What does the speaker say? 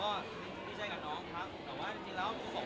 เหลือกับเป็นหัวโทษใหญ่คุณครับ